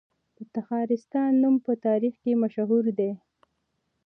د تخارستان نوم په تاریخ کې مشهور دی